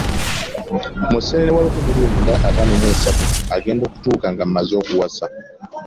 Museenene wa lukumi mu lwenda ataano mu esatu agenda okutuuka nga maze okuwasa.